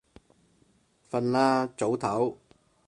瞓啦，早唞